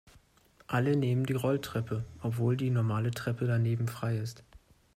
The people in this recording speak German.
Alle nehmen die Rolltreppe, obwohl die normale Treppe daneben frei ist.